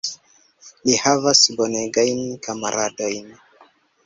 Li havas bonegajn kamaradojn.